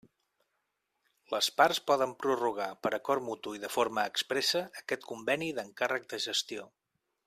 Les parts poden prorrogar per acord mutu i de forma expressa aquest Conveni d'encàrrec de gestió.